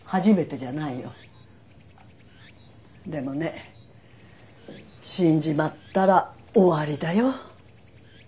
でもね死んじまったら終わりだよ。